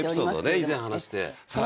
以前話して。